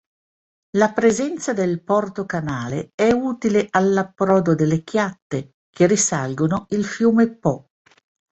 La presenza del Porto-Canale è utile all'approdo delle chiatte che risalgono il fiume Po.